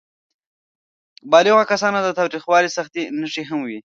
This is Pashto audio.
بالغو کسانو کې د تاوتریخوالي سختې نښې هم وې.